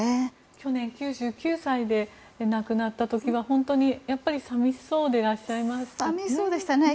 去年９９歳で亡くなった時は本当に寂しそうでいらっしゃいましたね。